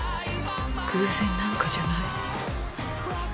偶然なんかじゃない。